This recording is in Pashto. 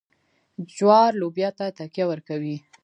جوار لوبیا ته تکیه ورکوي.